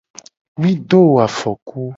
Mi do wo afoku.